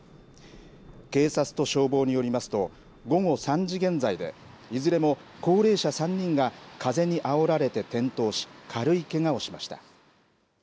警察と消防によりますと午後３時現在でいずれも高齢者３人が風にあおられて転倒し軽いけがをしました。